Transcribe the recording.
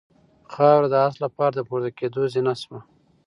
خاوره د آس لپاره د پورته کېدو زینه شوه.